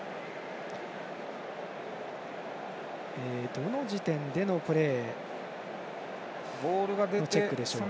どの時点でのプレーのチェックでしょうか。